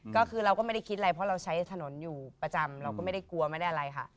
ก็คือเราก็ไม่ได้คิดอะไรเพราะเราใช้ถนนอยู่ประจำเราก็ไม่ได้กลัวไม่ได้อะไรค่ะ